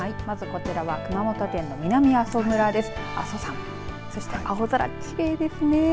まず、こちらは熊本県南阿蘇村です。